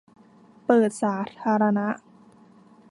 เปิดสาธารณะ